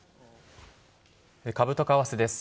株と為替です。